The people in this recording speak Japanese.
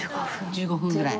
１５分ぐらい。